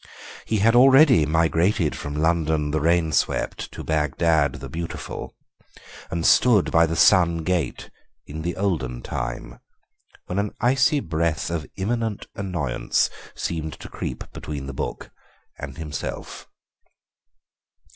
He had already migrated from London the rain swept to Bagdad the Beautiful, and stood by the Sun Gate "in the olden time" when an icy breath of imminent annoyance seemed to creep between the book and himself.